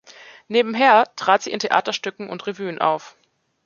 Nebenher trat sie in Theaterstücken und Revuen auf.